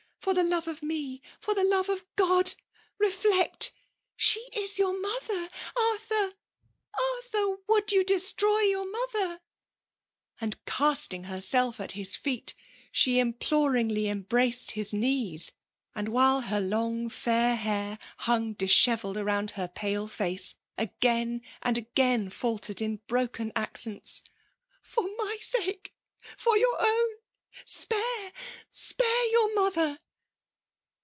for the love of f^, for the love of God! — Befiectl — she is your mother! ^ Arfliur! Arthur i fVwld you destroy your mother r And casting herself at his &et she implor* iagly embraced his knees ; andj while her long iair hair hung dishevelled round her pale bee, again and again faltered in brohen accents :—for my sake, for your ovm, spare, spare your mother.